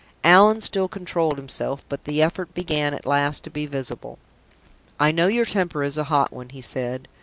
Allan still controlled himself, but the effort began at last to be visible. "I know your temper is a hot one," he said.